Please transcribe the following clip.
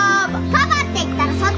かばって言ったらそっちが。